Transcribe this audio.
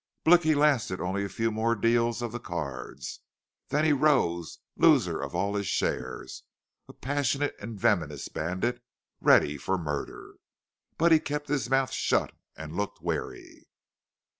Blicky lasted only a few more deals of the cards, then he rose, loser of all his share, a passionate and venomous bandit, ready for murder. But he kept his mouth shut and looked wary.